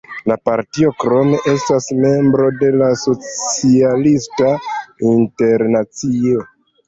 La partio krome estas membro de la Socialista Internacio.